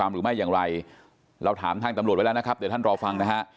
หรือไม่อย่างไรเราถามทางตำรวจไว้แล้วนะครับเดี๋ยวท่านรอฟังนะฮะ